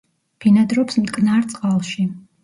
ბინადრობს მტკნარ წყალში.